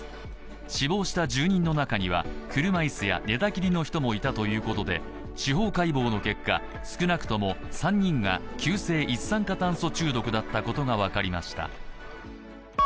死亡した住人の中には車椅子や寝たきりの人もいたとのことで司法解剖の結果、少なくとも３人が急性一酸化中毒だったことが分かりました。